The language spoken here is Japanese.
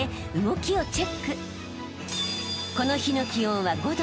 ［この日の気温は５度。